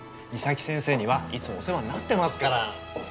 岬先生にはいつもお世話になってますから。